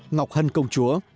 ngọc hân công chúa